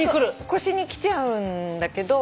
腰にきちゃうんだけど。